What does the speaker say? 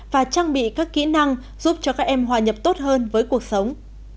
và trang bị các kỹ năng giúp cho các em hòa nhập tốt hơn với cuộc sống